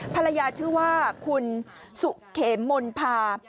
ภรรยาชื่อว่าคุณสุเขมมณภา